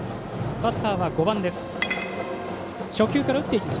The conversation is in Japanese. バッターは５番です。